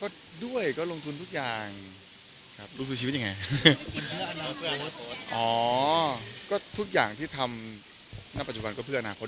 ก็ด้วยก็ลงทุนทุกอย่างครับลงทุนชีวิตยังไงอ๋อก็ทุกอย่างที่ทำณปัจจุบันก็เพื่ออนาคต